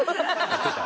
言ってた？